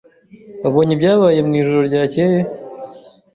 Wabonye ibyabaye mwijoro ryakeye?